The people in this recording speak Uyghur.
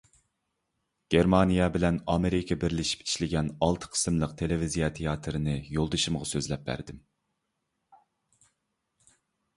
گېرمانىيە بىلەن ئامېرىكا بىرلىشىپ ئىشلىگەن ئالتە قىسىملىق تېلېۋىزىيە تىياتىرىنى يولدىشىمغا سۆزلەپ بەردىم.